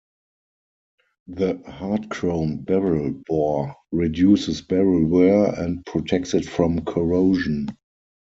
The hard-chromed barrel bore reduces barrel wear and protects it from corrosion.